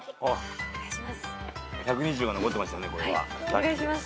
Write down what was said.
お願いします。